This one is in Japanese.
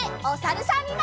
おさるさん。